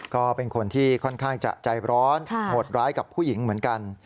ก็เป็นคนที่ค่อนข้างจะใจร้อนโหดร้ายกับผู้หญิงเหมือนกัน